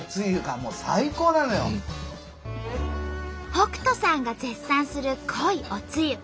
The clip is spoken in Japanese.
北斗さんが絶賛する濃いおつゆ。